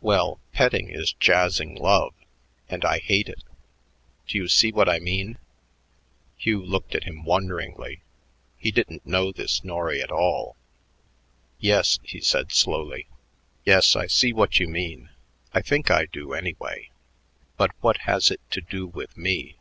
Well, petting is jazzing love; and I hate it. Do you see what I mean?" Hugh looked at him wonderingly. He didn't know this Norry at all. "Yes," he said slowly; "yes, I see what you mean; I think I do, anyway. But what has it to do with me?"